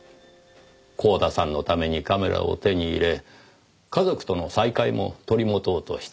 光田さんのためにカメラを手に入れ家族との再会も取り持とうとした。